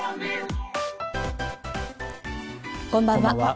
こんばんは。